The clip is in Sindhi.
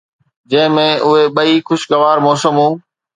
جنهن ۾ اهي ٻئي خوشگوار موسمون